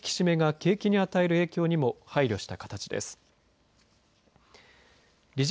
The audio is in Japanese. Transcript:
引き締めが景気に与える影響にも配慮した形です。